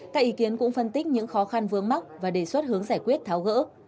các ý kiến cũng phân tích những khó khăn vướng mắc và đề xuất hướng giải quyết tháo gỡ